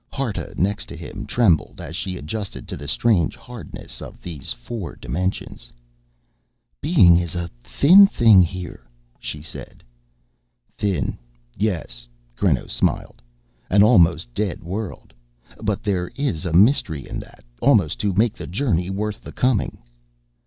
Harta, next to him, trembled as she adjusted to the strange hardness of these four dimensions. "Being is a thin thing here," she said. "Thin, yes," Creno smiled. "An almost dead world. But there is a mystery in that almost to make the journey worth the coming."